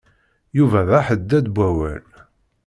Yuba d aḥeddad n wawal.